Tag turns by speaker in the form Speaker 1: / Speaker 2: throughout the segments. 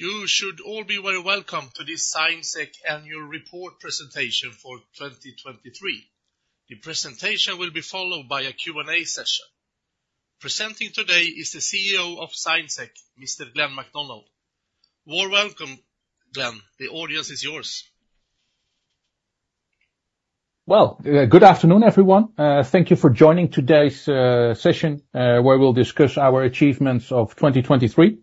Speaker 1: You should all be very welcome to this ZignSec Annual Report presentation for 2023. The presentation will be followed by a Q&A session. Presenting today is the CEO of ZignSec, Mr. Glenn MacDonald. Warm welcome, Glenn. The audience is yours.
Speaker 2: Well, good afternoon, everyone. Thank you for joining today's session, where we'll discuss our achievements of 2023,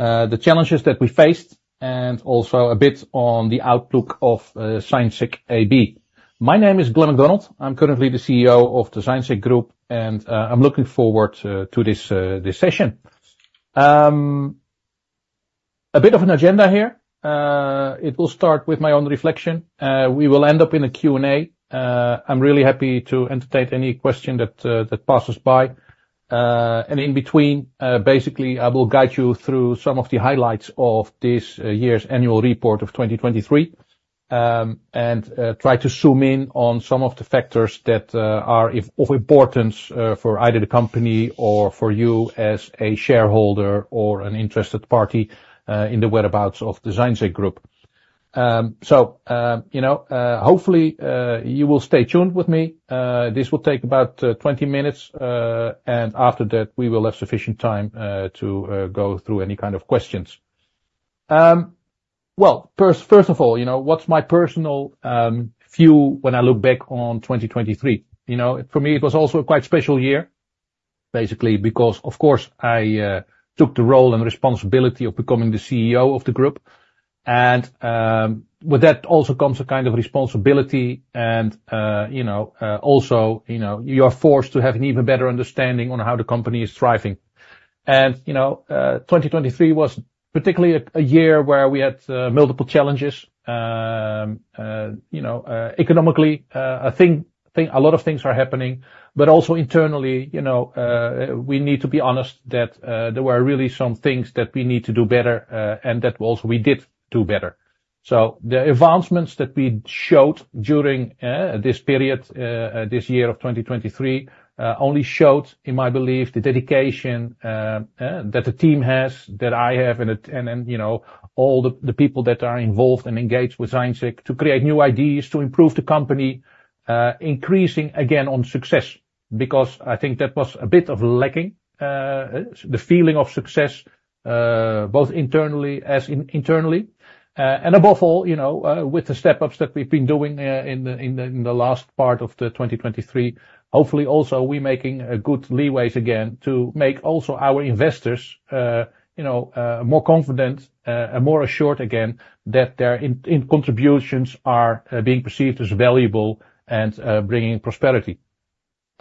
Speaker 2: the challenges that we faced, and also a bit on the outlook of ZignSec AB. My name is Glenn Mac Donald. I'm currently the CEO of the ZignSec Group, and I'm looking forward to this session. A bit of an agenda here. It will start with my own reflection. We will end up in a Q&A. I'm really happy to entertain any question that passes by. And in between, basically, I will guide you through some of the highlights of this year's annual report of 2023, and try to zoom in on some of the factors that are of importance for either the company or for you as a shareholder or an interested party in the whereabouts of the ZignSec Group. So, you know, hopefully, you will stay tuned with me. This will take about 20 minutes, and after that, we will have sufficient time to go through any kind of questions. Well, first of all, you know, what's my personal view when I look back on 2023? You know, for me, it was also a quite special year, basically, because of course, I took the role and responsibility of becoming the CEO of the group. With that also comes a kind of responsibility and, you know, also, you know, you are forced to have an even better understanding on how the company is thriving. You know, 2023 was particularly a year where we had multiple challenges. You know, economically, I think a lot of things are happening, but also internally, you know, we need to be honest that there were really some things that we need to do better, and that also we did do better. So the advancements that we showed during this period, this year of 2023, only showed, in my belief, the dedication that the team has, that I have, and, and, you know, all the people that are involved and engaged with ZignSec to create new ideas to improve the company, increasing again on success, because I think that was a bit of lacking the feeling of success both internally, as in internally, and above all, you know, with the step ups that we've been doing in the last part of the 2023, hopefully, also, we're making a good leeway again to make also our investors, you know, more confident and more assured again that their contributions are being perceived as valuable and bringing prosperity.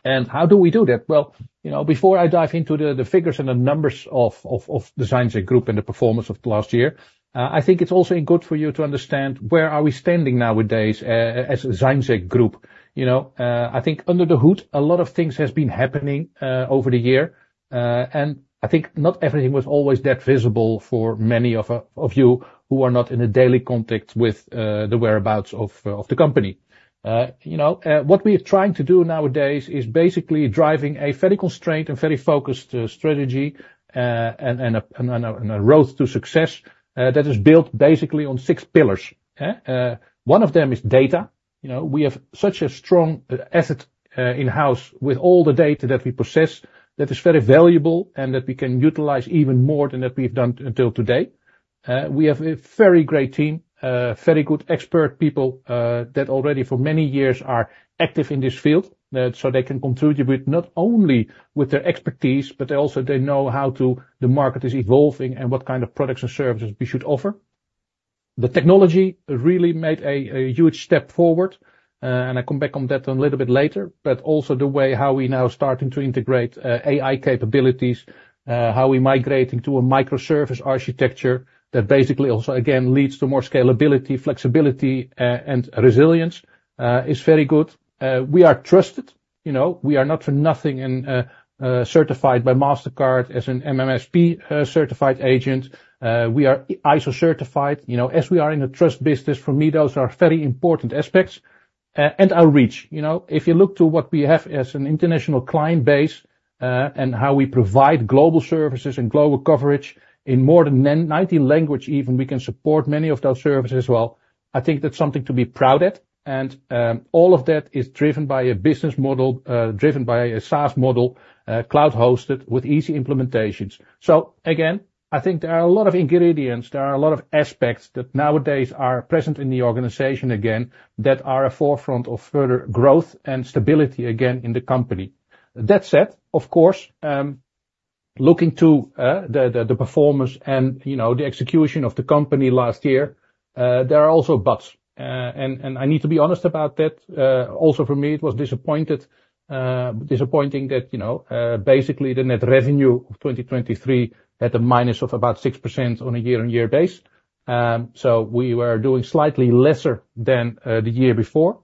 Speaker 2: How do we do that? Well, you know, before I dive into the figures and the numbers of the ZignSec Group and the performance of last year, I think it's also good for you to understand where are we standing nowadays, as a ZignSec Group. You know, I think under the hood, a lot of things has been happening over the year, and I think not everything was always that visible for many of you who are not in a daily contact with the whereabouts of the company. You know, what we are trying to do nowadays is basically driving a very constrained and very focused strategy, and a road to success that is built basically on six pillars. One of them is data. You know, we have such a strong, asset, in-house with all the data that we possess that is very valuable and that we can utilize even more than that we've done until today. We have a very great team, very good expert people, that already for many years are active in this field, so they can contribute with not only with their expertise, but also they know how to... The market is evolving and what kind of products and services we should offer. The technology really made a huge step forward, and I come back on that a little bit later, but also the way how we now starting to integrate, AI capabilities, how we migrating to a microservice architecture that basically also, again, leads to more scalability, flexibility, and resilience, is very good. We are trusted, you know, we are not for nothing and certified by Mastercard as an MSP, certified agent. We are ISO certified, you know, as we are in a trust business, for me, those are very important aspects. And our reach. You know, if you look to what we have as an international client base, and how we provide global services and global coverage in more than 90 languages, even, we can support many of those services well. I think that's something to be proud at. And all of that is driven by a business model, driven by a SaaS model, cloud-hosted with easy implementations. So again, I think there are a lot of ingredients, there are a lot of aspects that nowadays are present in the organization again, that are a forefront of further growth and stability again in the company. That said, of course, looking to the performance and, you know, the execution of the company last year, there are also buts, and I need to be honest about that. Also, for me, it was disappointing that, you know, basically the net revenue of 2023 had a minus of about 6% on a year-on-year basis. So we were doing slightly lesser than the year before.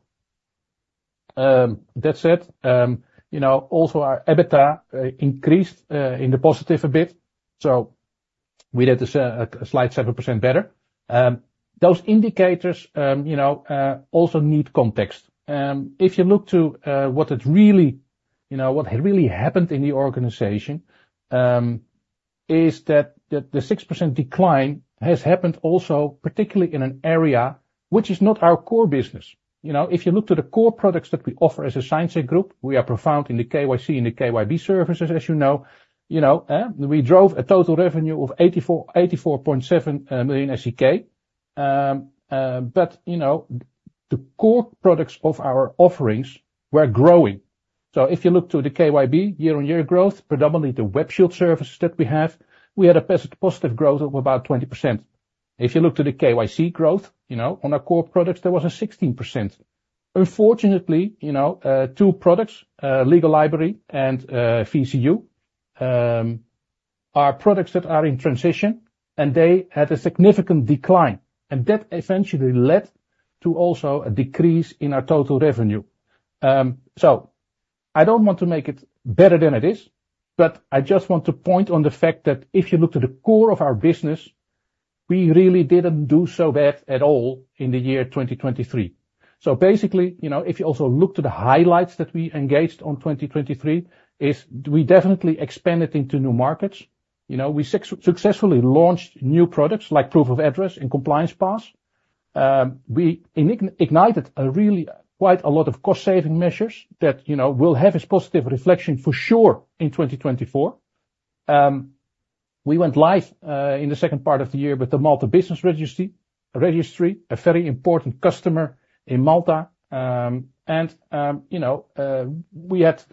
Speaker 2: That said, you know, also our EBITDA increased in the positive a bit, so we did this a slight 7% better. Those indicators, you know, also need context. If you look to what it really, you know, what really happened in the organization, is that the 6% decline has happened also, particularly in an area which is not our core business. You know, if you look to the core products that we offer as a ZignSec group, we are profound in the KYC and the KYB services, as you know. You know, we drove a total revenue of 84.7 million SEK. But, you know, the core products of our offerings were growing. So if you look to the KYB year-on-year growth, predominantly the Web Shield services that we have, we had a positive growth of about 20%. If you look to the KYC growth, you know, on our core products, there was a 16%. Unfortunately, you know, two products, Legal Library and VCO, are products that are in transition, and they had a significant decline, and that essentially led to also a decrease in our total revenue. So I don't want to make it better than it is, but I just want to point on the fact that if you look to the core of our business, we really didn't do so bad at all in the year 2023. So basically, you know, if you also look to the highlights that we engaged on 2023, is we definitely expanded into new markets. You know, we successfully launched new products like Proof of Address and Compliance Pass. We ignited a really, quite a lot of cost-saving measures that, you know, will have its positive reflection for sure in 2024. We went live in the second part of the year with the Malta Business Registry, a very important customer in Malta. And you know, we had,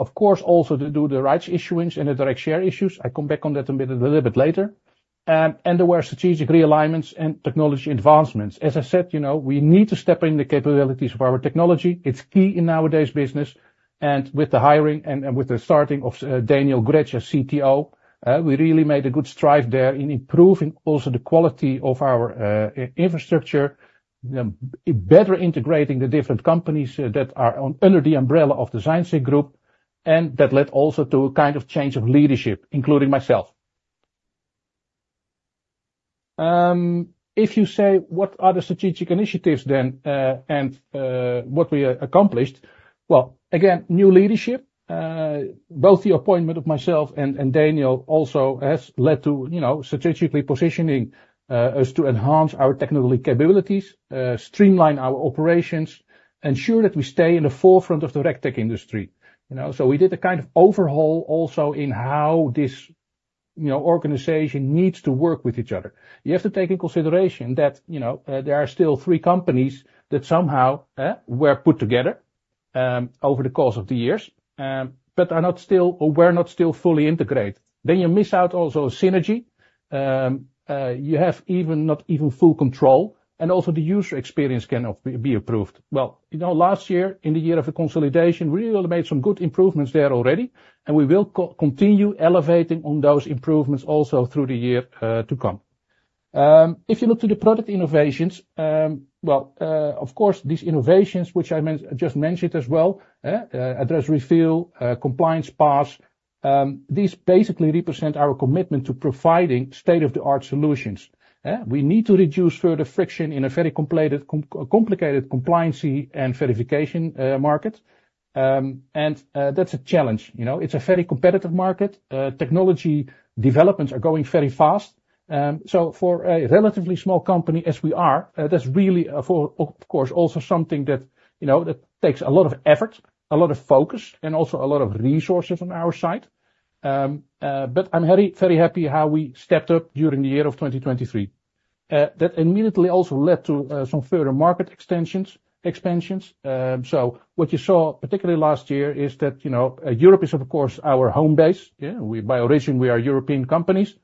Speaker 2: of course, also to do the rights issues and the direct share issues. I come back on that a bit, a little bit later. And there were strategic realignments and technology advancements. As I said, you know, we need to step in the capabilities of our technology. It's key in nowadays business, and with the hiring and with the starting of Daniel Grech as CTO, we really made a good stride there in improving also the quality of our infrastructure, better integrating the different companies that are under the umbrella of the ZignSec group, and that led also to a kind of change of leadership, including myself. If you say, what are the strategic initiatives then, and, what we accomplished? Well, again, new leadership, both the appointment of myself and, and Daniel also has led to, you know, strategically positioning, us to enhance our technical capabilities, streamline our operations, ensure that we stay in the forefront of the RegTech industry, you know. So we did a kind of overhaul also in how this, you know, organization needs to work with each other. You have to take into consideration that, you know, there are still three companies that somehow, were put together, over the course of the years, but are not still or were not still fully integrated. Then you miss out also synergy. You have even, not even full control, and also the user experience can, be improved. Well, you know, last year, in the year of the consolidation, we really made some good improvements there already, and we will continue elevating on those improvements also through the year to come. If you look to the product innovations, well, of course, these innovations, which I just mentioned as well, Proof of Address, Compliance Pass, these basically represent our commitment to providing state-of-the-art solutions. We need to reduce further friction in a very complicated compliance and verification market. That's a challenge, you know, it's a very competitive market. Technology developments are going very fast. So for a relatively small company as we are, that's really, for, of course, also something that, you know, that takes a lot of effort, a lot of focus, and also a lot of resources on our side. But I'm very, very happy how we stepped up during the year of 2023. That immediately also led to some further market extensions, expansions. So what you saw, particularly last year, is that, you know, Europe is, of course, our home base. Yeah, by origin, we are European companies,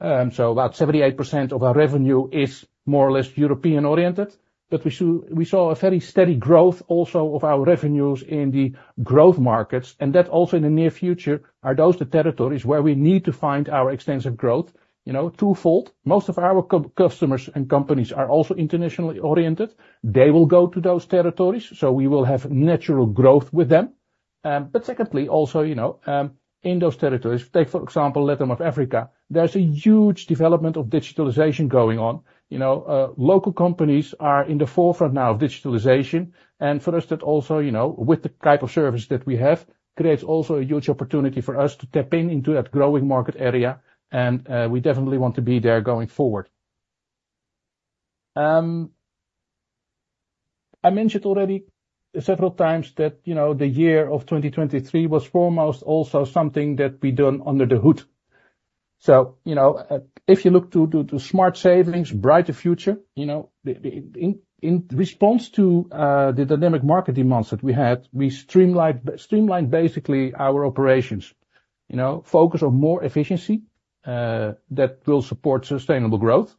Speaker 2: so about 78% of our revenue is more or less European-oriented. But we saw, we saw a very steady growth also of our revenues in the growth markets, and that also in the near future, are those the territories where we need to find our extensive growth. You know, twofold. Most of our customers and companies are also internationally oriented. They will go to those territories, so we will have natural growth with them. But secondly, also, you know, in those territories, take, for example, Latin or Africa, there's a huge development of digitalization going on. You know, local companies are in the forefront now of digitalization, and for us, that also, you know, with the type of service that we have, creates also a huge opportunity for us to tap into that growing market area, and, we definitely want to be there going forward. I mentioned already several times that, you know, the year of 2023 was foremost also something that we done under the hood. So, you know, if you look to smart savings, brighter future, you know, the, the... In response to the dynamic market demands that we had, we streamlined basically our operations. You know, focus on more efficiency that will support sustainable growth,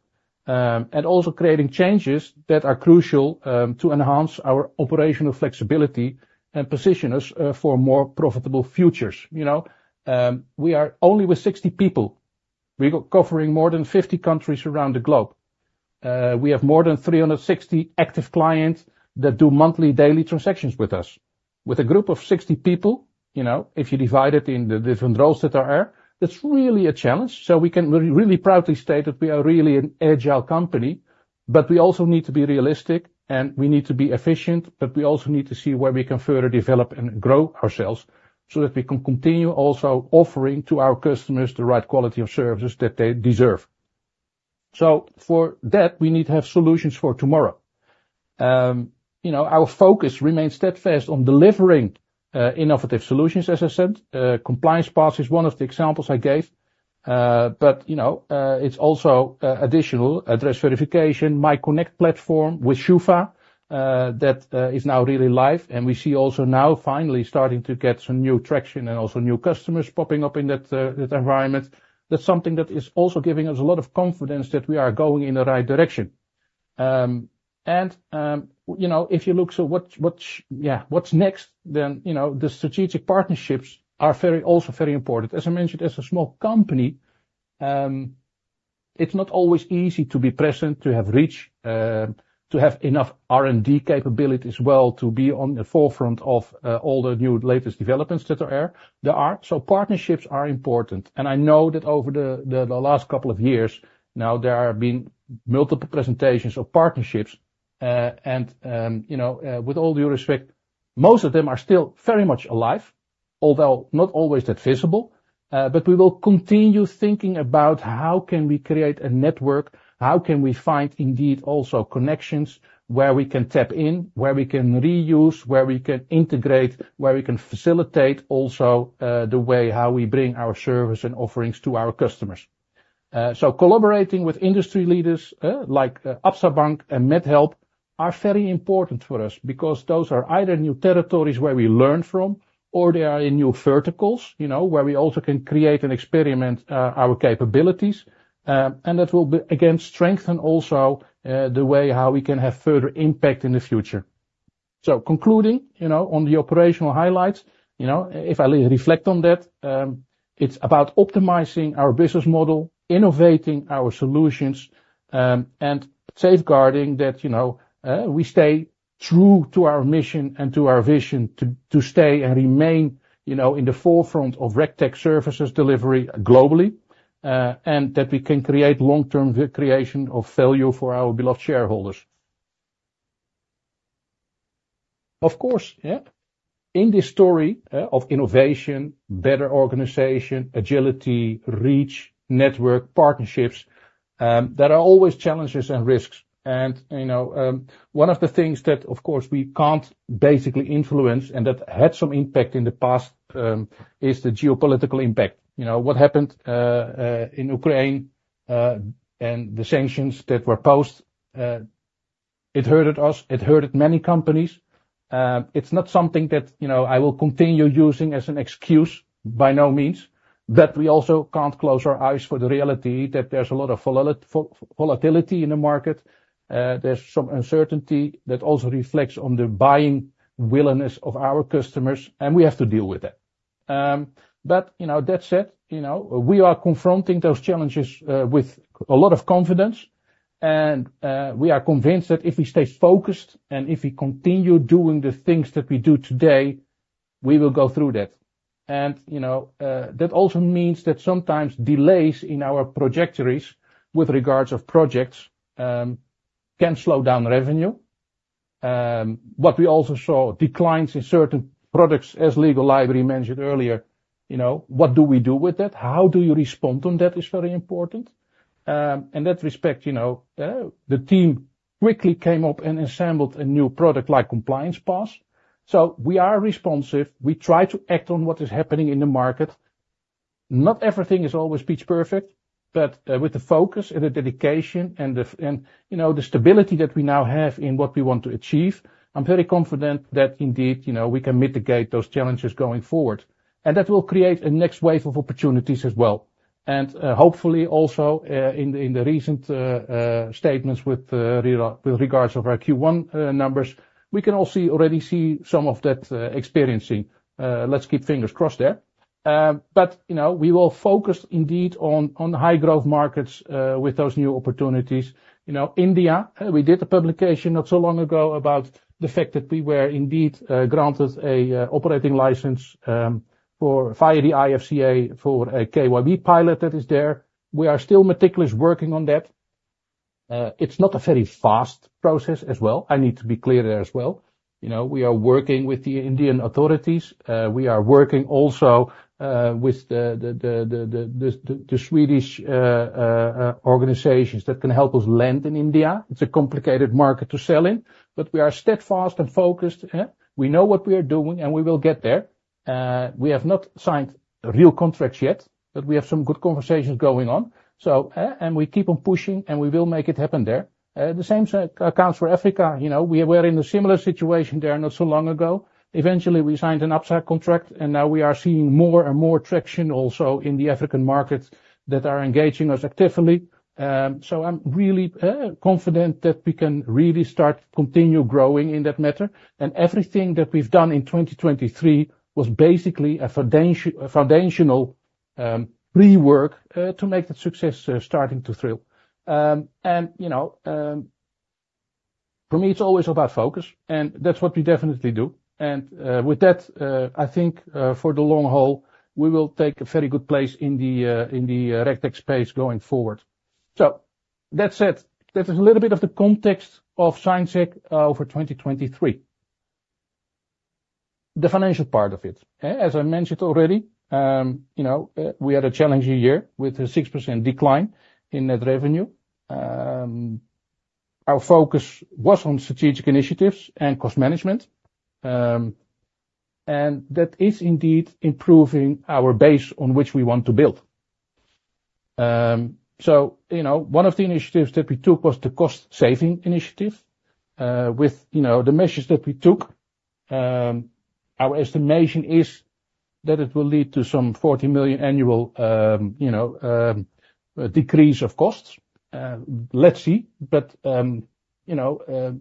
Speaker 2: and also creating changes that are crucial to enhance our operational flexibility and position us for more profitable futures. You know, we are only with 60 people. We're covering more than 50 countries around the globe. We have more than 360 active clients that do monthly, daily transactions with us. With a group of 60 people, you know, if you divide it in the different roles that are there, that's really a challenge. So we can really proudly state that we are really an agile company, but we also need to be realistic, and we need to be efficient, but we also need to see where we can further develop and grow ourselves, so that we can continue also offering to our customers the right quality of services that they deserve. So for that, we need to have solutions for tomorrow. You know, our focus remains steadfast on delivering innovative solutions, as I said. Compliance Pass is one of the examples I gave. But, you know, it's also additional address verification. MyConnect platform with SCHUFA, that is now really live, and we see also now finally starting to get some new traction and also new customers popping up in that, that environment. That's something that is also giving us a lot of confidence that we are going in the right direction. And, you know, if you look, so what's next, then, you know, the strategic partnerships are very, also very important. As I mentioned, as a small company, it's not always easy to be present, to have reach, to have enough R&D capability as well, to be on the forefront of, all the new latest developments that are there. So partnerships are important, and I know that over the last couple of years, now there have been multiple presentations of partnerships. And, you know, with all due respect, most of them are still very much alive, although not always that visible. But we will continue thinking about how can we create a network? How can we find, indeed, also connections, where we can tap in, where we can reuse, where we can integrate, where we can facilitate also, the way how we bring our service and offerings to our customers? So collaborating with industry leaders, like Absa Bank and MedHelp, are very important for us because those are either new territories where we learn from, or they are in new verticals, you know, where we also can create and experiment our capabilities. And that will be, again, strengthen also, the way how we can have further impact in the future. So concluding, you know, on the operational highlights, you know, if I reflect on that, it's about optimizing our business model, innovating our solutions, and safeguarding that, you know, we stay true to our mission and to our vision to, to stay and remain, you know, in the forefront of RegTech services delivery globally, and that we can create long-term creation of value for our beloved shareholders. Of course, yeah. In this story, of innovation, better organization, agility, reach, network, partnerships, there are always challenges and risks. And, you know, one of the things that, of course, we can't basically influence and that had some impact in the past, is the geopolitical impact. You know, what happened, in Ukraine, and the sanctions that were posed, it hurted us, it hurted many companies. It's not something that, you know, I will continue using as an excuse, by no means, but we also can't close our eyes for the reality that there's a lot of volatility in the market. There's some uncertainty that also reflects on the buying willingness of our customers, and we have to deal with that. But, you know, that said, you know, we are confronting those challenges with a lot of confidence, and we are convinced that if we stay focused and if we continue doing the things that we do today, we will go through that. And, you know, that also means that sometimes delays in our trajectories with regards of projects can slow down revenue. But we also saw declines in certain products, as Legal Library mentioned earlier, you know, what do we do with that? How you respond to that is very important. In that respect, you know, the team quickly came up and assembled a new product like Compliance Pass. So we are responsive, we try to act on what is happening in the market. Not everything is always pitch-perfect, but, with the focus and the dedication and, you know, the stability that we now have in what we want to achieve, I'm very confident that indeed, you know, we can mitigate those challenges going forward. And that will create a next wave of opportunities as well. And, hopefully, also, in the recent statements with regards to our Q1 numbers, we can also already see some of that experiencing. Let's keep fingers crossed there. But, you know, we will focus indeed on high growth markets with those new opportunities. You know, India, we did a publication not so long ago about the fact that we were indeed granted a operating license for via the IFSCA for a KYB pilot that is there. We are still meticulous working on that. It's not a very fast process as well. I need to be clear there as well. You know, we are working with the Indian authorities. We are working also with the Swedish organizations that can help us land in India. It's a complicated market to sell in, but we are steadfast and focused, we know what we are doing, and we will get there. We have not signed real contracts yet, but we have some good conversations going on. So, and we keep on pushing, and we will make it happen there. The same accounts for Africa, you know, we were in a similar situation there not so long ago. Eventually, we signed an upside contract, and now we are seeing more and more traction also in the African markets that are engaging us actively. So I'm really confident that we can really start to continue growing in that matter. And everything that we've done in 2023 was basically a foundational work to make the success starting to thrill. And, you know, for me, it's always about focus, and that's what we definitely do. With that, I think, for the long haul, we will take a very good place in the RegTech space going forward. So that said, that is a little bit of the context of ZignSec for 2023. The financial part of it? As I mentioned already, you know, we had a challenging year with a 6% decline in net revenue. Our focus was on strategic initiatives and cost management, and that is indeed improving our base on which we want to build. So, you know, one of the initiatives that we took was the cost-saving initiative, with, you know, the measures that we took, our estimation is that it will lead to some 40 million annual decrease of costs. Let's see. But, you know,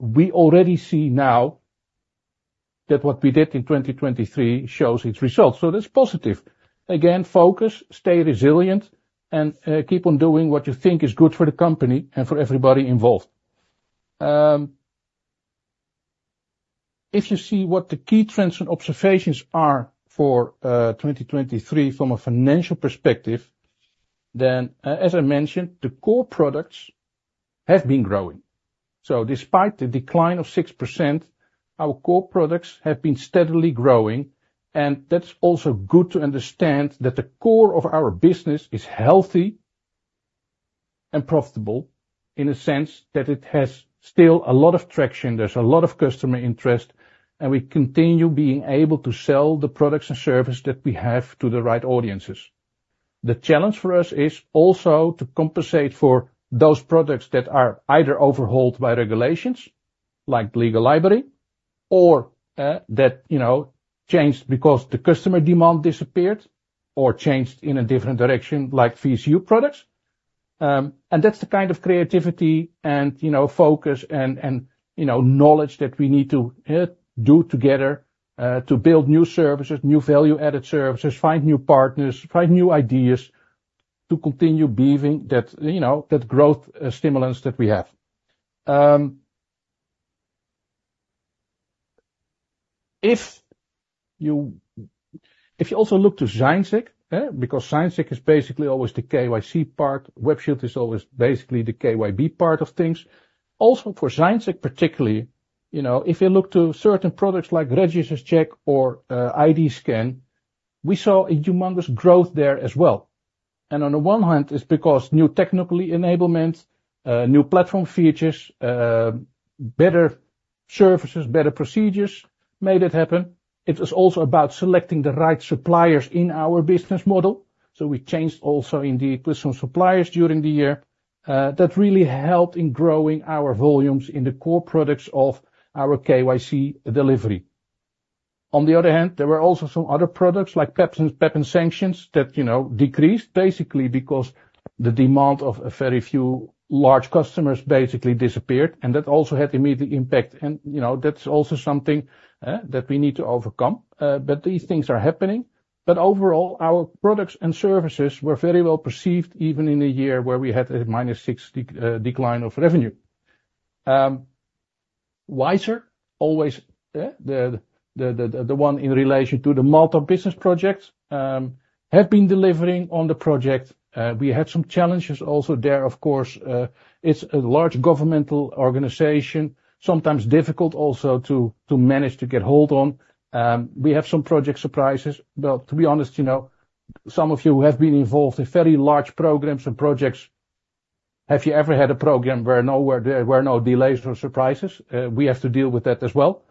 Speaker 2: we already see now that what we did in 2023 shows its results, so that's positive. Again, focus, stay resilient, and keep on doing what you think is good for the company and for everybody involved. If you see what the key trends and observations are for 2023 from a financial perspective, then, as I mentioned, the core products have been growing. So despite the decline of 6%, our core products have been steadily growing, and that's also good to understand that the core of our business is healthy and profitable, in a sense that it has still a lot of traction. There's a lot of customer interest, and we continue being able to sell the products and services that we have to the right audiences. The challenge for us is also to compensate for those products that are either overhauled by regulations, like Legal Library, or that you know changed because the customer demand disappeared or changed in a different direction, like VCU products. And that's the kind of creativity and you know focus and you know knowledge that we need to do together to build new services, new value-added services, find new partners, find new ideas, to continue believing that you know that growth stimulants that we have. If you also look to ZignSec, because ZignSec is basically always the KYC part. Web Shield is always basically the KYB part of things. Also for ZignSec, particularly, you know, if you look to certain products like Registry Check or ID Scan, we saw a humongous growth there as well. And on the one hand, it's because new technical enablement, new platform features, better services, better procedures, made it happen. It was also about selecting the right suppliers in our business model, so we changed also indeed, with some suppliers during the year. That really helped in growing our volumes in the core products of our KYC delivery. On the other hand, there were also some other products like PEP and Sanctions, that, you know, decreased basically because the demand of a very few large customers basically disappeared, and that also had immediate impact. And, you know, that's also something, that we need to overcome, but these things are happening. But overall, our products and services were very well perceived, even in a year where we had a minus 6% decline of revenue. Wyzer always, the one in relation to the Malta Business projects, have been delivering on the project. We had some challenges also there, of course, it's a large governmental organization, sometimes difficult also to manage to get hold on. We have some project surprises, but to be honest, you know, some of you who have been involved in very large programs and projects, have you ever had a program where there were no delays or surprises? We have to deal with that as well.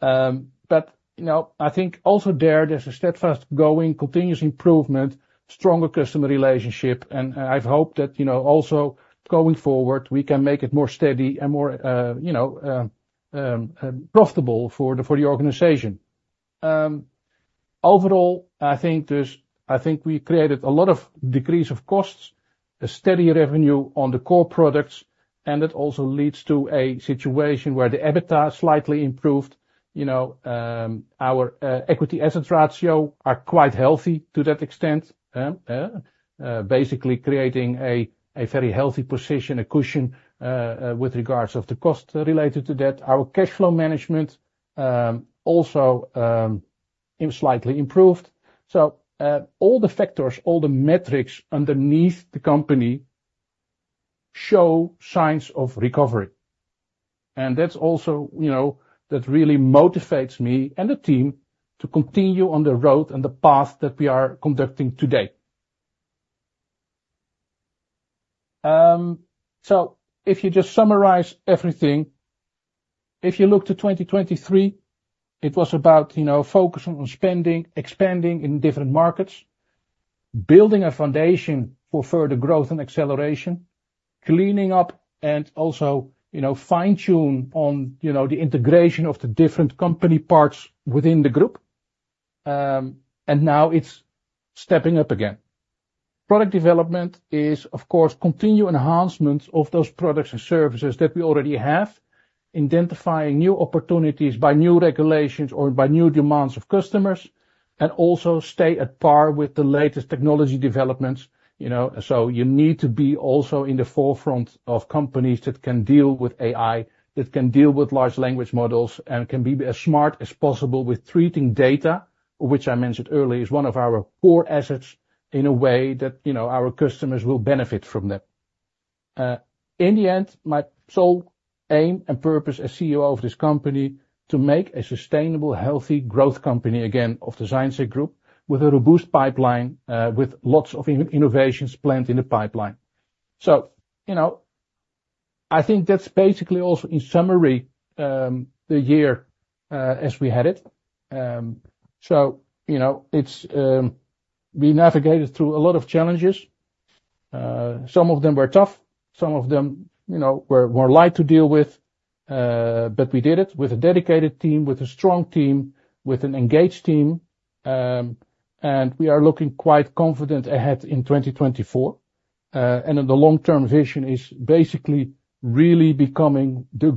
Speaker 2: But, you know, I think also there, there's a steadfast going, continuous improvement, stronger customer relationship, and, I've hoped that, you know, also going forward, we can make it more steady and more, you know, profitable for the organization. Overall, I think we created a lot of decrease of costs, a steady revenue on the core products, and it also leads to a situation where the EBITDA slightly improved. You know, our equity assets ratio are quite healthy to that extent, eh? Basically, creating a very healthy position, a cushion, with regards of the cost related to that. Our cash flow management also slightly improved. So, all the factors, all the metrics underneath the company show signs of recovery. And that's also, you know, that really motivates me and the team to continue on the road and the path that we are conducting today. So if you just summarize everything, if you look to 2023, it was about, you know, focusing on spending, expanding in different markets, building a foundation for further growth and acceleration, cleaning up, and also, you know, fine-tune on, you know, the integration of the different company parts within the group. And now it's stepping up again. Product development is, of course, continued enhancements of those products and services that we already have, identifying new opportunities by new regulations or by new demands of customers, and also stay at par with the latest technology developments, you know? So you need to be also in the forefront of companies that can deal with AI, that can deal with large language models, and can be as smart as possible with treating data, which I mentioned earlier, is one of our core assets, in a way that, you know, our customers will benefit from that. In the end, my sole aim and purpose as CEO of this company, to make a sustainable, healthy growth company again, of the ZignSec Group, with a robust pipeline, with lots of innovations planned in the pipeline. So, you know, I think that's basically also, in summary, the year, as we had it. So, you know, it's, we navigated through a lot of challenges. Some of them were tough, some of them, you know, were light to deal with, but we did it with a dedicated team, with a strong team, with an engaged team. And we are looking quite confident ahead in 2024. And then the long-term vision is basically really becoming the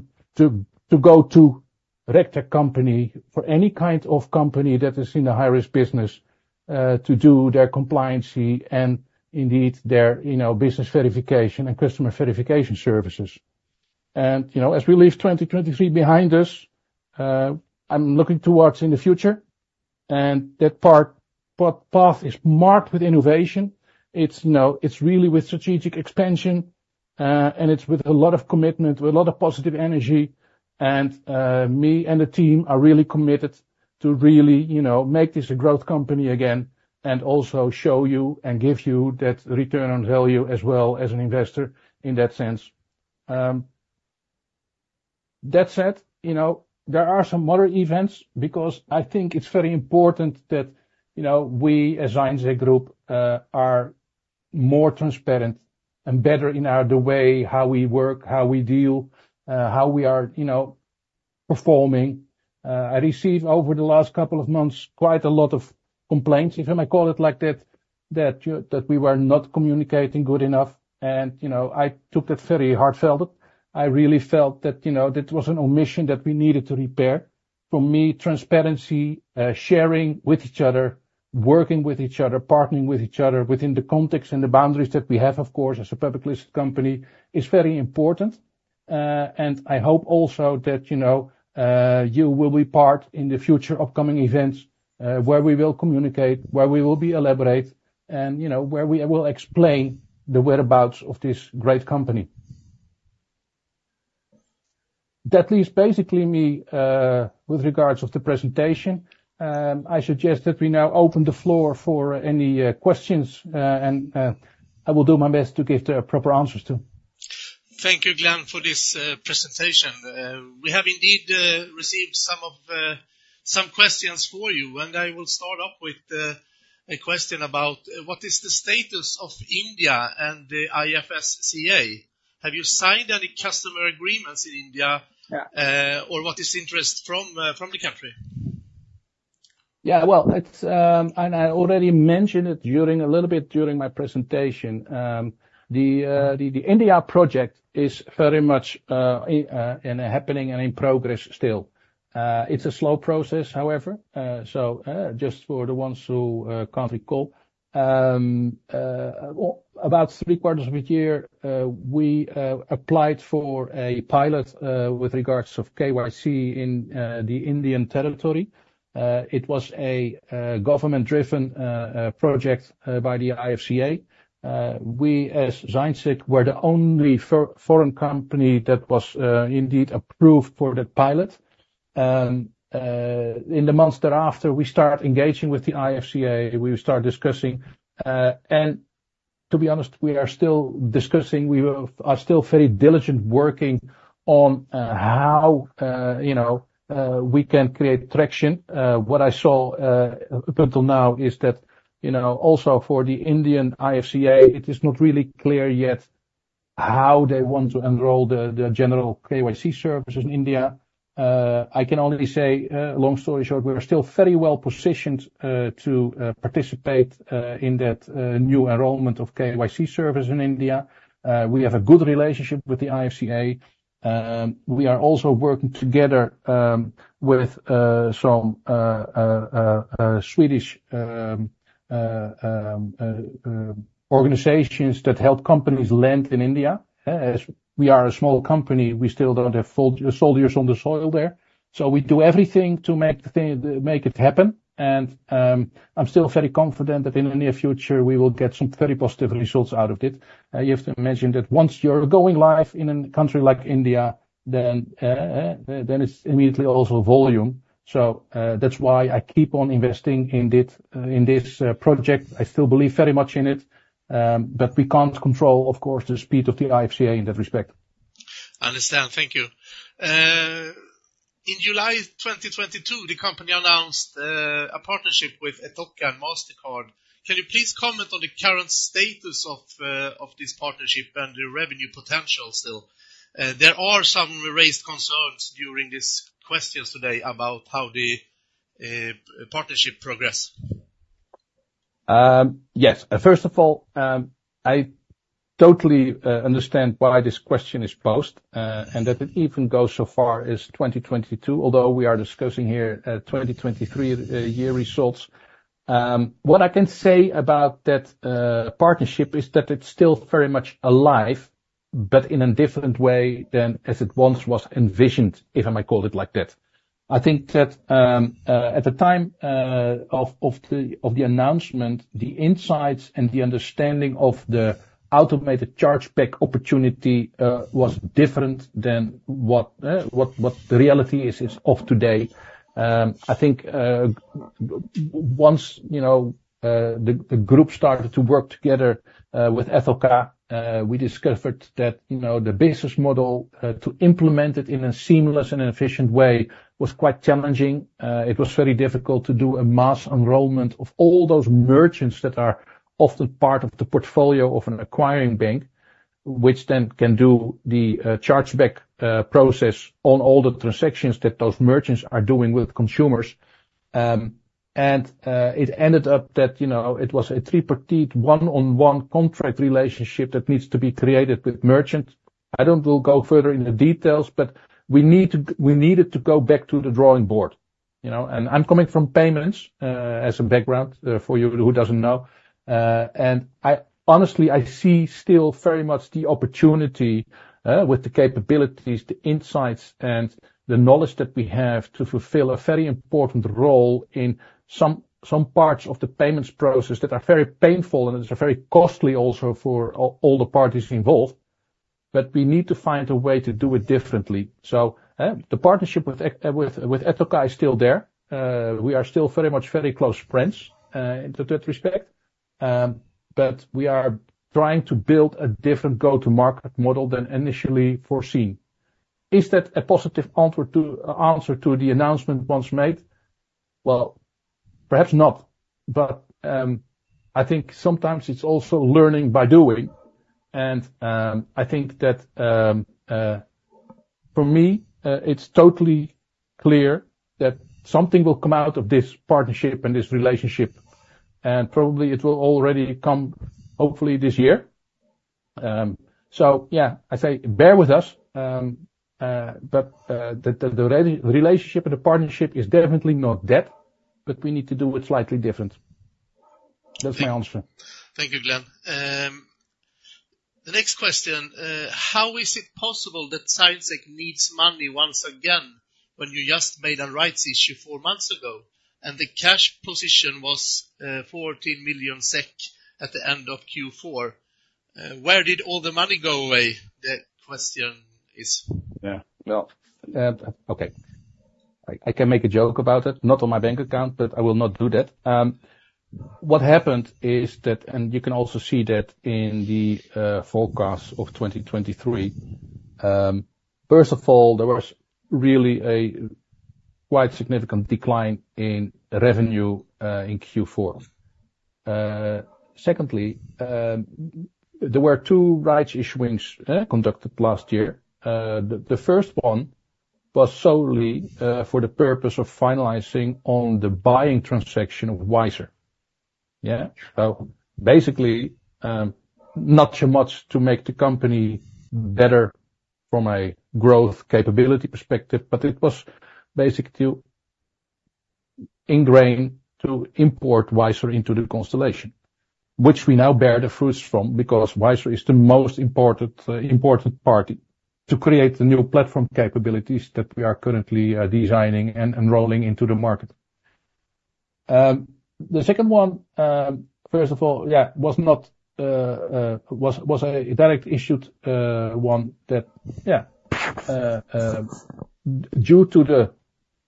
Speaker 2: go-to RegTech company for any kind of company that is in a high-risk business, to do their compliancy and indeed their, you know, business verification and customer verification services. And, you know, as we leave 2023 behind us, I'm looking towards in the future, and that path is marked with innovation. It's, you know, it's really with strategic expansion, and it's with a lot of commitment, with a lot of positive energy, and, me and the team are really committed to really, you know, make this a growth company again, and also show you and give you that return on value as well as an investor in that sense. That said, you know, there are some other events, because I think it's very important that, you know, we as ZignSec Group, are more transparent and better in our, the way how we work, how we deal, how we are, you know, performing. I received over the last couple of months, quite a lot of complaints, if I may call it like that, that you, that we were not communicating good enough, and, you know, I took that very heartfelt. I really felt that, you know, that was an omission that we needed to repair. For me, transparency, sharing with each other, working with each other, partnering with each other within the context and the boundaries that we have, of course, as a publicly listed company, is very important. And I hope also that, you know, you will be part in the future upcoming events, where we will communicate, where we will be elaborate, and, you know, where we will explain the whereabouts of this great company. That leaves basically me, with regards of the presentation. I suggest that we now open the floor for any, questions, and, I will do my best to give the proper answers to.
Speaker 1: Thank you, Glenn, for this presentation. We have indeed received some questions for you, and I will start off with a question about what is the status of India and the IFSCA? Have you signed any customer agreements in India-
Speaker 2: Yeah.
Speaker 1: Or what is interest from the country?
Speaker 2: Yeah, well, it's... And I already mentioned it during a little bit during my presentation. The India project is very much in happening and in progress still. It's a slow process, however, so just for the ones who can't recall, about three quarters of a year, we applied for a pilot with regards of KYC in the Indian territory. It was a government-driven project by the IFSCA. We, as ZignSec, were the only foreign company that was indeed approved for that pilot. And in the months thereafter, we start engaging with the IFSCA, we start discussing, and to be honest, we are still discussing, we are still very diligent, working on how you know we can create traction. What I saw up until now is that, you know, also for the Indian IFSCA, it is not really clear yet how they want to enroll the general KYC services in India. I can only say, long story short, we are still very well positioned to participate in that new enrollment of KYC service in India. We have a good relationship with the IFSCA. We are also working together with some Swedish organizations that help companies lend in India. As we are a small company, we still don't have boots on the ground there, so we do everything to make it happen, and I'm still very confident that in the near future we will get some very positive results out of it. You have to mention that once you're going live in a country like India, then it's immediately also volume. So, that's why I keep on investing in it, in this project. I still believe very much in it, but we can't control, of course, the speed of the IFSCA in that respect.
Speaker 1: Understand. Thank you. In July 2022, the company announced a partnership with Ethoca and Mastercard. Can you please comment on the current status of this partnership and the revenue potential still? There are some raised concerns during these questions today about how the-... partnership progress?
Speaker 2: Yes. First of all, I totally understand why this question is posed, and that it even goes so far as 2022, although we are discussing here, 2023 year results. What I can say about that partnership is that it's still very much alive, but in a different way than as it once was envisioned, if I might call it like that. I think that at the time of the announcement, the insights and the understanding of the automated chargeback opportunity was different than what the reality is of today. I think, once, you know, the group started to work together with Ethoca, we discovered that, you know, the business model to implement it in a seamless and efficient way was quite challenging. It was very difficult to do a mass enrollment of all those merchants that are often part of the portfolio of an acquiring bank, which then can do the chargeback process on all the transactions that those merchants are doing with consumers. It ended up that, you know, it was a tripartite, one-on-one contract relationship that needs to be created with merchant. I don't will go further in the details, but we need to-- we needed to go back to the drawing board, you know? I'm coming from payments as a background for you who doesn't know. And I honestly see still very much the opportunity with the capabilities, the insights, and the knowledge that we have to fulfill a very important role in some parts of the payments process that are very painful, and it's very costly also for all the parties involved, but we need to find a way to do it differently. So, the partnership with Ethoca is still there. We are still very much very close friends in that respect, but we are trying to build a different go-to-market model than initially foreseen. Is that a positive answer to the announcement once made? Well, perhaps not, but I think sometimes it's also learning by doing, and I think that for me it's totally clear that something will come out of this partnership and this relationship, and probably it will already come, hopefully this year. So yeah, I say bear with us, but the relationship and the partnership is definitely not dead, but we need to do it slightly different. That's my answer.
Speaker 1: Thank you, Glenn. The next question: How is it possible that ZignSec needs money once again, when you just made a rights issue four months ago, and the cash position was 14 million SEK at the end of Q4? Where did all the money go away? The question is...
Speaker 2: Yeah. Well, okay. I, I can make a joke about it, not on my bank account, but I will not do that. What happened is that, and you can also see that in the, forecast of 2023, first of all, there was really a quite significant decline in revenue, in Q4. Secondly, there were two rights issues, conducted last year. The, the first one was solely, for the purpose of finalizing on the buying transaction of Wyzer. Yeah, so basically, not too much to make the company better from a growth capability perspective, but it was basically to ingrain, to import Wyzer into the constellation, which we now bear the fruits from, because Wyzer is the most important, important party to create the new platform capabilities that we are currently, designing and enrolling into the market. The second one, first of all, yeah, was not a rights issue, one that, yeah, due to the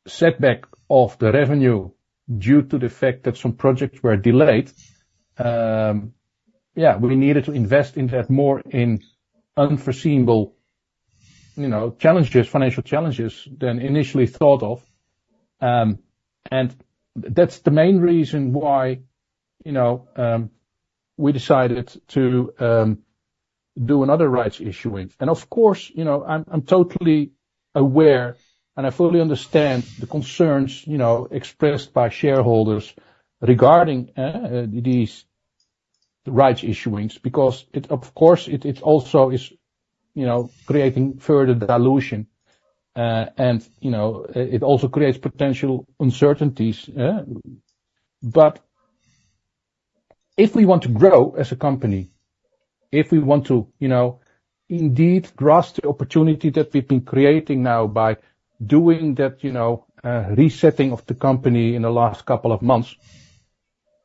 Speaker 2: setback of the revenue, due to the fact that some projects were delayed, we needed to invest in that more in unforeseeable, you know, challenges, financial challenges, than initially thought of. And that's the main reason why, you know, we decided to do another rights issue. And of course, you know, I'm totally aware, and I fully understand the concerns, you know, expressed by shareholders regarding these rights issues, because it of course, it also is, you know, creating further dilution, and, you know, it also creates potential uncertainties. But if we want to grow as a company, if we want to, you know, indeed grasp the opportunity that we've been creating now by doing that, you know, resetting of the company in the last couple of months,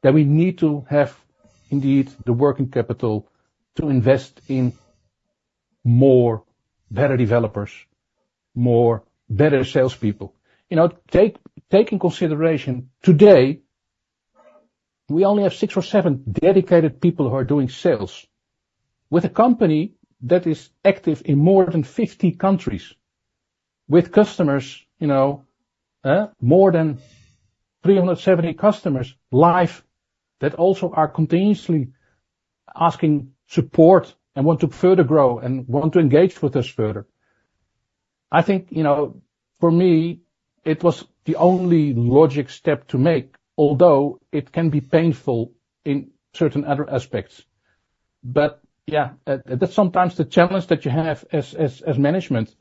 Speaker 2: then we need to have indeed, the working capital to invest in more better developers, more better salespeople. You know, take in consideration today, we only have six or seven dedicated people who are doing sales. With a company that is active in more than 50 countries, with customers, you know, more than 370 customers live, that also are continuously asking support and want to further grow and want to engage with us further. I think, you know, for me, it was the only logical step to make, although it can be painful in certain other aspects. But, yeah, that's sometimes the challenge that you have as management,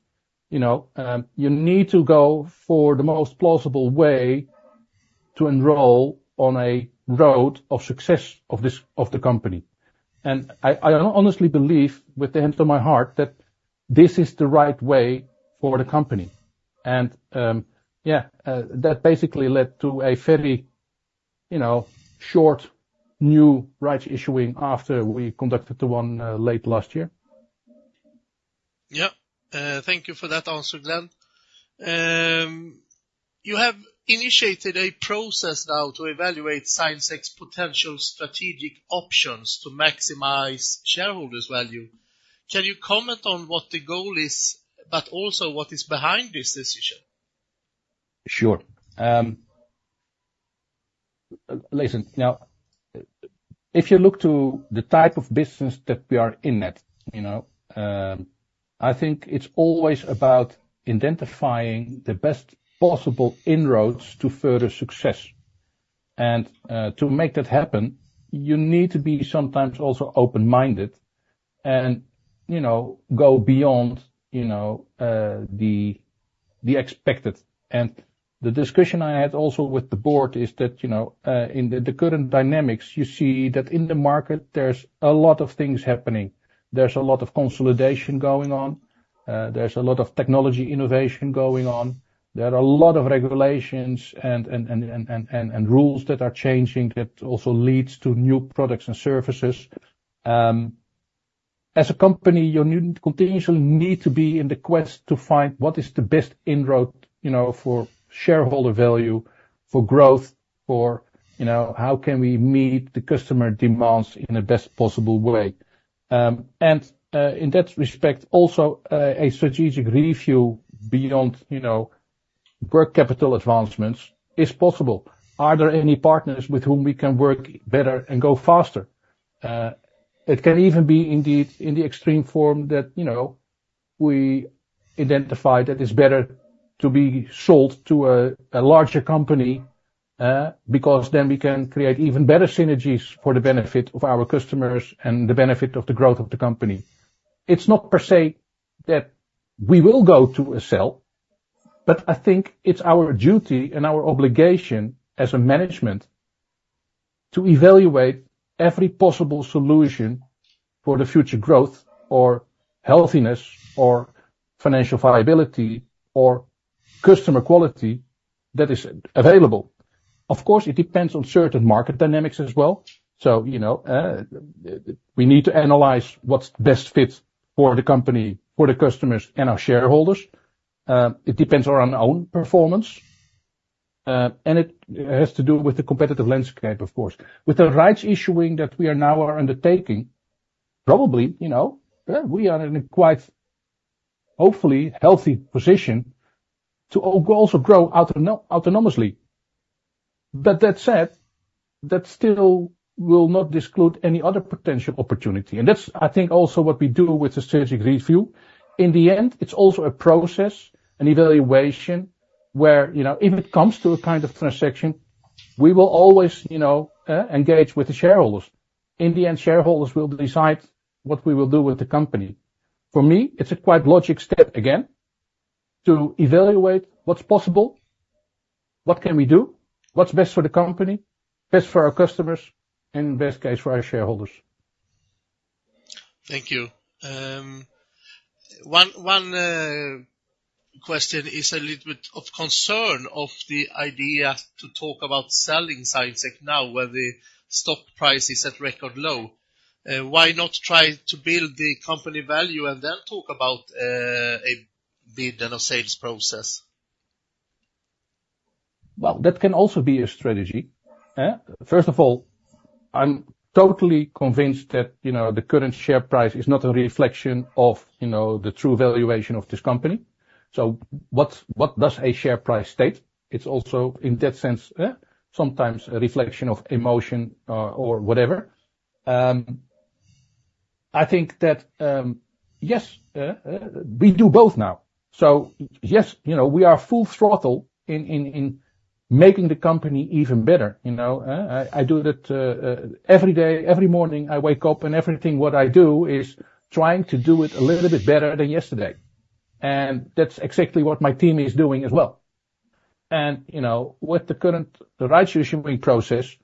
Speaker 2: you know? You need to go for the most plausible way to enroll on a road of success of this, of the company. And I honestly believe, with the hands on my heart, that this is the right way for the company. And, yeah, that basically led to a very, you know, short, new rights issuing after we conducted the one, late last year.
Speaker 1: Yeah. Thank you for that answer, Glenn. You have initiated a process now to evaluate ZignSec's potential strategic options to maximize shareholders' value. Can you comment on what the goal is, but also what is behind this decision?
Speaker 2: Sure. Listen, now, if you look to the type of business that we are in at, you know, I think it's always about identifying the best possible inroads to further success. And to make that happen, you need to be sometimes also open-minded and, you know, go beyond, you know, the expected. And the discussion I had also with the board is that, you know, in the current dynamics, you see that in the market, there's a lot of things happening. There's a lot of consolidation going on, there's a lot of technology innovation going on, there are a lot of regulations and rules that are changing, that also leads to new products and services. As a company, you need, continuously need to be in the quest to find what is the best inroad, you know, for shareholder value, for growth, for, you know, how can we meet the customer demands in the best possible way? And, in that respect, also, a strategic review beyond, you know, working capital advancements is possible. Are there any partners with whom we can work better and go faster? It can even be indeed in the extreme form that, you know, we identify that it's better to be sold to a larger company, because then we can create even better synergies for the benefit of our customers and the benefit of the growth of the company. It's not per se, that we will go to a sale, but I think it's our duty and our obligation as a management, to evaluate every possible solution for the future growth, or healthiness, or financial viability, or customer quality that is available. Of course, it depends on certain market dynamics as well. So, you know, we need to analyze what's best fit for the company, for the customers, and our shareholders. It depends on our own performance, and it has to do with the competitive landscape, of course. With the rights issuing that we are now are undertaking, probably, you know, we are in a quite, hopefully, healthy position to also grow autonomously. But that said, that still will not exclude any other potential opportunity. And that's, I think, also what we do with the strategic review. In the end, it's also a process, an evaluation, where, you know, if it comes to a kind of transaction, we will always, you know, engage with the shareholders. In the end, shareholders will decide what we will do with the company. For me, it's a quite logical step, again, to evaluate what's possible, what can we do, what's best for the company, best for our customers, and best case, for our shareholders.
Speaker 1: Thank you. One question is a little bit of concern of the idea to talk about selling ZignSec now, where the stock price is at record low. Why not try to build the company value and then talk about a bid and a sales process?
Speaker 2: Well, that can also be a strategy, eh? First of all, I'm totally convinced that, you know, the current share price is not a reflection of, you know, the true valuation of this company. So what does a share price state? It's also, in that sense, sometimes a reflection of emotion or whatever. I think that, yes, we do both now. So yes, you know, we are full throttle in making the company even better, you know, I do that every day. Every morning, I wake up, and everything what I do is trying to do it a little bit better than yesterday. And that's exactly what my team is doing as well. You know, with the current rights issue process,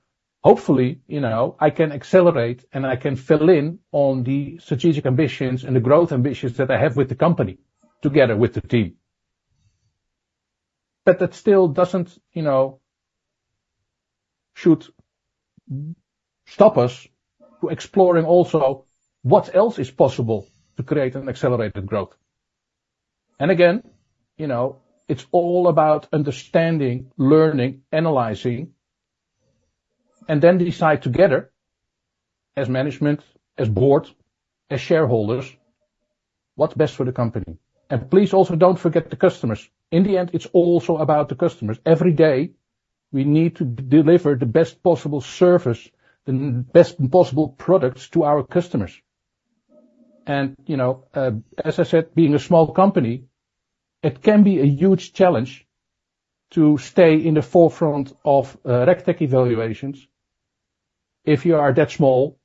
Speaker 2: hopefully, you know, I can accelerate, and I can fill in on the strategic ambitions and the growth ambitions that I have with the company, together with the team. But that still doesn't, you know, should stop us from exploring also what else is possible to create an accelerated growth. And again, you know, it's all about understanding, learning, analyzing, and then decide together as management, as board, as shareholders... What's best for the company? And please also don't forget the customers. In the end, it's also about the customers. Every day, we need to deliver the best possible service, the best possible products to our customers. You know, as I said, being a small company, it can be a huge challenge to stay in the forefront of RegTech evaluations if you are that small,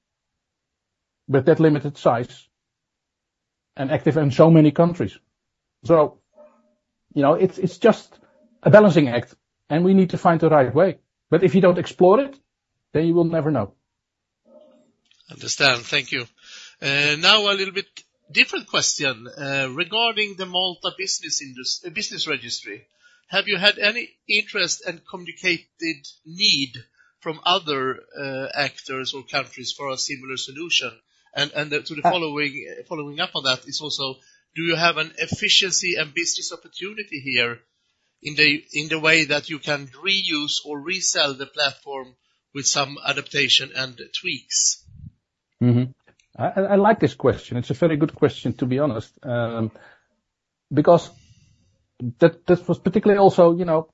Speaker 2: with that limited size and active in so many countries. So, you know, it's just a balancing act, and we need to find the right way. But if you don't explore it, then you will never know.
Speaker 1: Understand. Thank you. Now, a little bit different question. Regarding the Malta business registry, have you had any interest and communicated need from other actors or countries for a similar solution? And, following up on that, is also, do you have an efficiency and business opportunity here in the way that you can reuse or resell the platform with some adaptation and tweaks?
Speaker 2: Mm-hmm. I, I like this question. It's a very good question, to be honest, because that, that was particularly also, you know,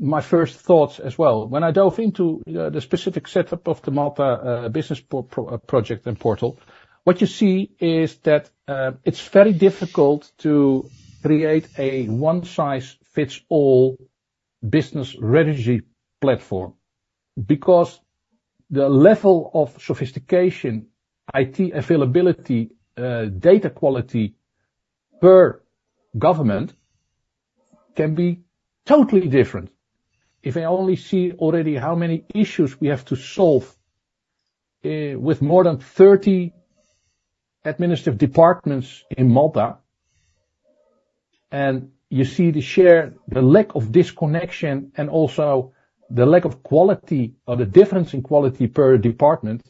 Speaker 2: my first thoughts as well. When I dove into the specific setup of the Malta business project and portal, what you see is that it's very difficult to create a one-size-fits-all business registry platform. Because the level of sophistication, IT availability, data quality per government can be totally different. If I only see already how many issues we have to solve with more than 30 administrative departments in Malta, and you see the share, the lack of disconnection and also the lack of quality or the difference in quality per department,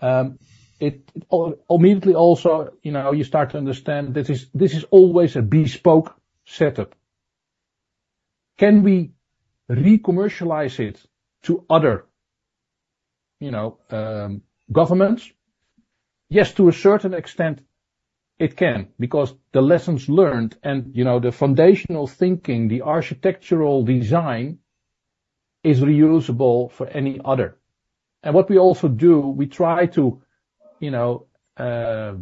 Speaker 2: it immediately also, you know, you start to understand this is always a bespoke setup. Can we re-commercialize it to other, you know, governments? Yes, to a certain extent, it can, because the lessons learned and, you know, the foundational thinking, the architectural design, is reusable for any other. And what we also do, we try to, you know,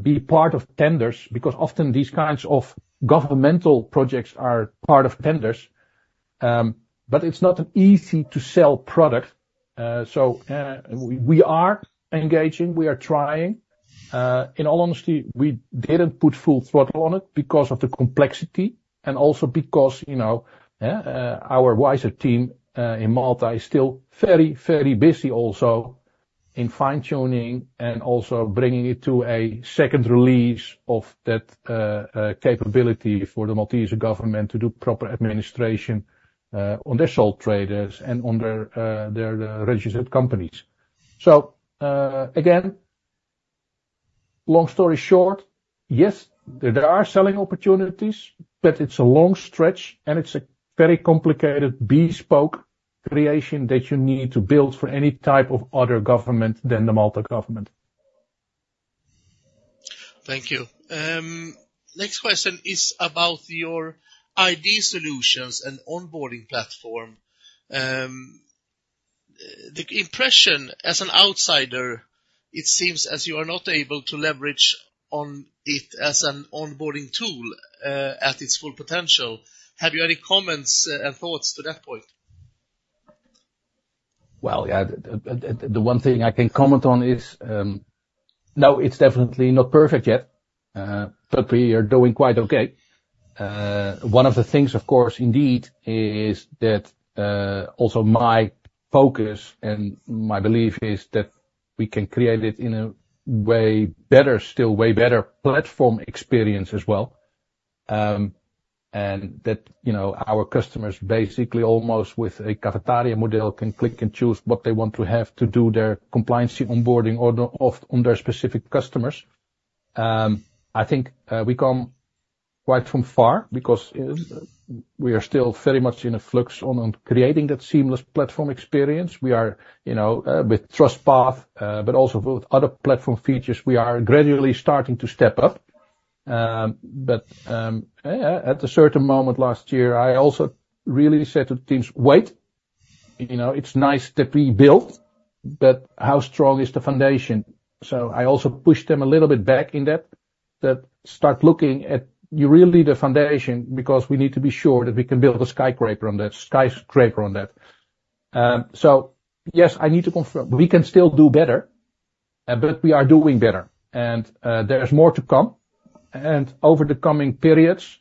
Speaker 2: be part of tenders, because often these kinds of governmental projects are part of tenders. But it's not an easy to sell product. So, we are engaging, we are trying. In all honesty, we didn't put full throttle on it because of the complexity and also because, you know, our Wyzer team in Malta is still very, very busy also in fine-tuning and also bringing it to a second release of that capability for the Maltese government to do proper administration on their sole traders and on their registered companies. Again, long story short, yes, there are selling opportunities, but it's a long stretch, and it's a very complicated, bespoke creation that you need to build for any type of other government than the Malta government.
Speaker 1: Thank you. Next question is about your ID solutions and onboarding platform. The impression, as an outsider, it seems as you are not able to leverage on it as an onboarding tool, at its full potential. Have you any comments, and thoughts to that point?
Speaker 2: Well, yeah, the one thing I can comment on is, no, it's definitely not perfect yet, but we are doing quite okay. One of the things, of course, indeed, is that, also my focus and my belief is that we can create it in a way better, still way better platform experience as well. And that, you know, our customers basically, almost with a cafeteria model, can click and choose what they want to have to do their compliance onboarding on, on their specific customers. I think, we come quite from far because we are still very much in a flux on, on creating that seamless platform experience. We are, you know, with TrustPath, but also with other platform features, we are gradually starting to step up. But, yeah, at a certain moment last year, I also really said to the teams, "Wait, you know, it's nice that we built, but how strong is the foundation?" So I also pushed them a little bit back in that, that start looking at you really need a foundation because we need to be sure that we can build a skyscraper on that, skyscraper on that. So yes, I need to confirm. We can still do better, but we are doing better, and, there is more to come. And over the coming periods,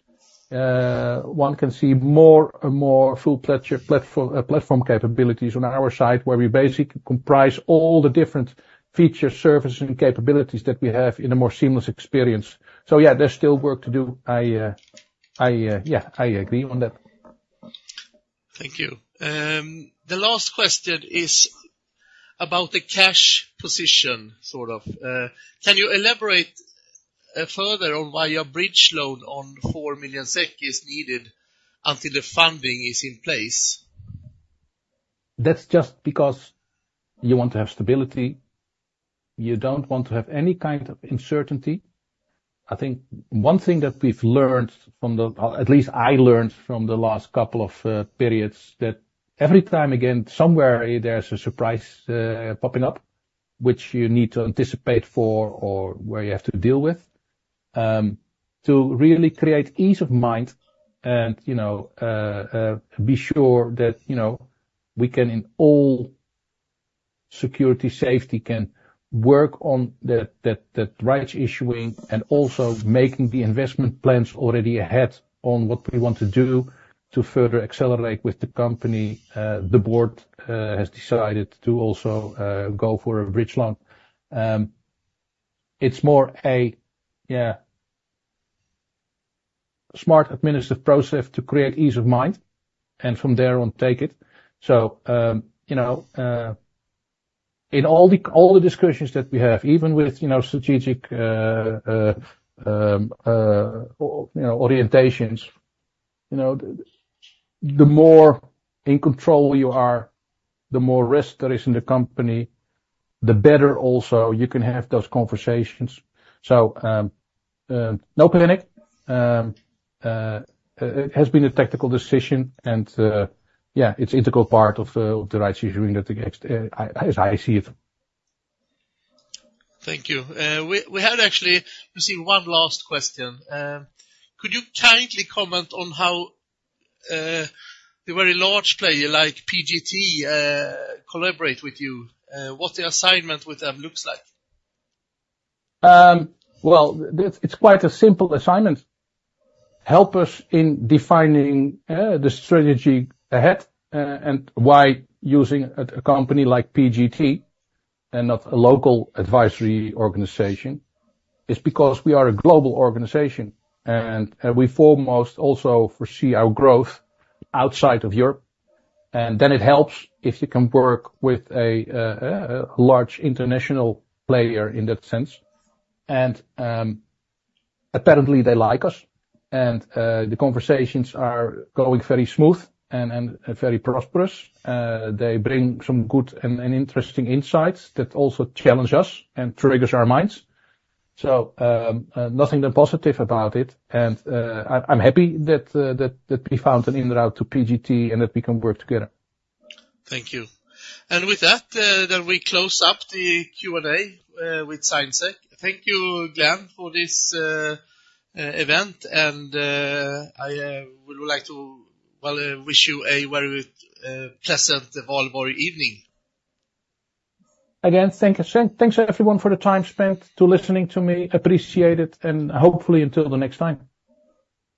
Speaker 2: one can see more and more full platform capabilities on our side, where we basically comprise all the different features, services, and capabilities that we have in a more seamless experience. So yeah, there's still work to do. I, yeah, I agree on that.
Speaker 1: Thank you. The last question is about the cash position, sort of. Can you elaborate further on why your bridge loan on 4 million SEK is needed until the funding is in place?...
Speaker 2: That's just because you want to have stability. You don't want to have any kind of uncertainty. I think one thing that we've learned, or at least I learned from the last couple of periods, that every time, again, somewhere, there's a surprise popping up, which you need to anticipate for or where you have to deal with. To really create ease of mind and, you know, be sure that, you know, we can, in all security, safety, can work on that, that, that rights issuing and also making the investment plans already ahead on what we want to do to further accelerate with the company. The board has decided to also go for a bridge loan. It's more a, yeah, smart administrative process to create ease of mind, and from there on, take it. So, you know, in all the discussions that we have, even with, you know, strategic, you know, orientations, you know, the more in control you are, the more risk there is in the company, the better also you can have those conversations. So, no panic. It has been a tactical decision, and, yeah, it's integral part of, of the rights issue that against, as I see it.
Speaker 1: Thank you. We had actually received one last question. Could you kindly comment on how a very large player like PGT collaborate with you? What the assignment with them looks like?
Speaker 2: Well, it's quite a simple assignment. Help us in defining the strategy ahead, and why using a company like PGT and not a local advisory organization is because we are a global organization, and we foremost also foresee our growth outside of Europe. Then it helps if you can work with a large international player in that sense. Apparently, they like us, and the conversations are going very smooth and very prosperous. They bring some good and interesting insights that also challenge us and triggers our minds. So, nothing but positive about it, and I'm happy that we found an inroad to PGT and that we can work together.
Speaker 1: Thank you. And with that, then we close up the Q&A with ZignSec. Thank you again for this event, and I would like to, well, wish you a very pleasant evening.
Speaker 2: Again, thank you, thanks, everyone, for the time spent to listening to me. Appreciate it, and hopefully until the next time.